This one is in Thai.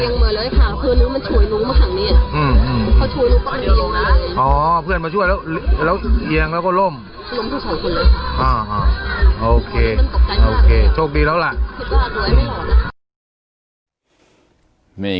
เอียงเหมือนเลยค่ะเพื่อนหนูมันช่วยหนูมาข้างนี้